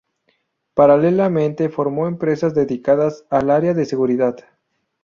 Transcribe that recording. Paralelamente, formó empresas dedicadas al área de seguridad.